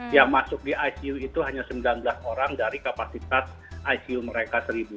yang masuk di icu itu hanya sembilan belas orang dari kapasitas icu mereka seribu